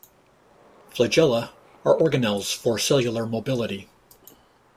Flagella are organelles for cellular mobility.